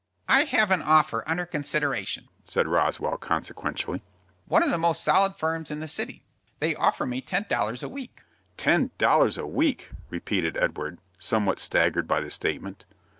"I have an offer under consideration," said Roswell, consequentially; "one of the most solid firms in the city. They offer me ten dollars a week." "Ten dollars a week!" repeated Edward, somewhat staggered by the statement.